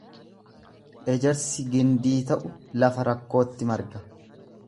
Ejersi gindii ta'u lafa rakkootti marga.